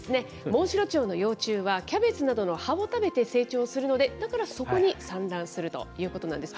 モンシロチョウの幼虫はキャベツなどの葉を食べて成長するので、だからそこに産卵するということなんです。